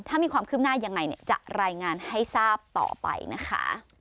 ถ้ามีความคืบหน้ายังไงจะรายงานให้ทราบต่อไปนะคะ